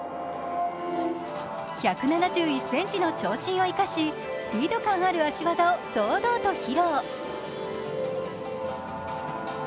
１７１ｃｍの長身を生かしスピード感ある足技を堂々と披露。